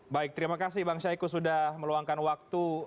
baik terima kasih bang syahiku sudah meluangkan waktu